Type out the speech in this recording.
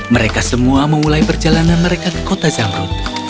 mereka semua memulai perjalanan mereka ke kota zamrut